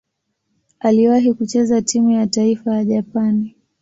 Aliwahi kucheza timu ya taifa ya Japani.